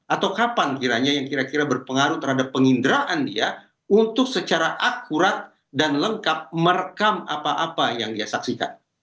atau kapan kiranya yang kira kira berpengaruh terhadap penginderaan dia untuk secara akurat dan lengkap merekam apa apa yang dia saksikan